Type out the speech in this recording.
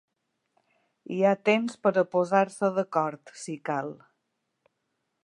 Hi ha temps per a posar-se d’acord, si cal.